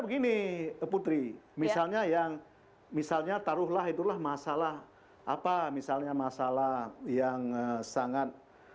begini putri misalnya yang misalnya taruhlah itulah masalah apa misalnya masalah yang sangat